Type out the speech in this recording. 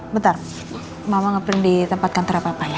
bentar mama nggak perlu di tempat kantor apa apa ya